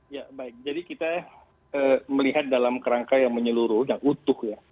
ya baik jadi kita melihat dalam kerangka yang menyeluruh dan utuh ya